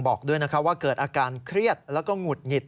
บอกด้วยว่าเกิดอาการเครียดแล้วก็หงุดหงิด